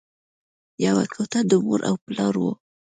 یوه کوټه د مور او پلار وه